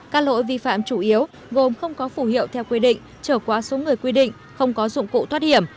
các lỗi vi phạm chủ yếu gồm không có phủ hiệu theo quy định trở quá số người quy định không có dụng cụ thoát hiểm